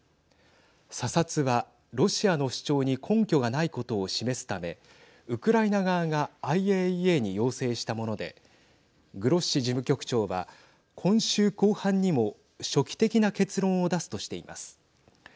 査察はロシアの主張に根拠がないことを示すためウクライナ側がＩＡＥＡに要請したものでグロッシ事務局長は今週後半にも初期的な結論を出すとしています。